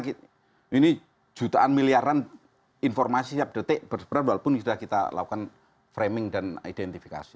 karena ini jutaan miliaran informasi setiap detik berseperan walaupun sudah kita lakukan framing dan identifikasi